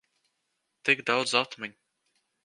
Tik daudz atmiņu.